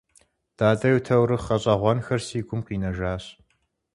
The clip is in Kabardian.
Дадэ и таурыхъ гъэщӀэгъуэнхэр си гум къинэжащ.